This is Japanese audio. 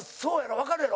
わかるやろ？